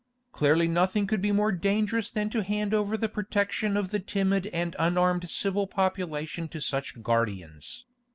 Clearly nothing could be more dangerous than to hand over the protection of the timid and unarmed civil population to such guardians.